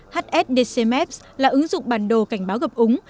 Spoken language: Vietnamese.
hsdcmet là ứng dụng bản đồ cảnh báo ngập úng